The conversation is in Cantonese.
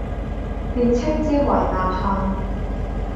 便稱之爲《吶喊》。